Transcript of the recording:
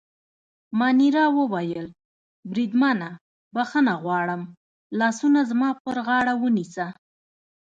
مانیرا وویل: بریدمنه، بخښنه غواړم، لاسونه زما پر غاړه ونیسه.